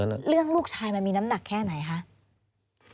เรื่องลูกชายมันมีน้ำหนักแค่ไหนคะ